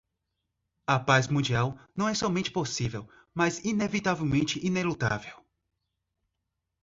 A paz mundial não é somente possível, mas inevitavelmente inelutável.